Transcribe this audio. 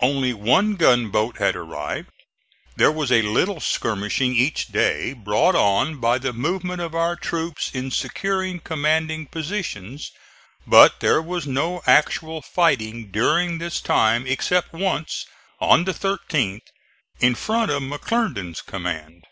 Only one gunboat had arrived. There was a little skirmishing each day, brought on by the movement of our troops in securing commanding positions; but there was no actual fighting during this time except once, on the 13th, in front of McClernand's command.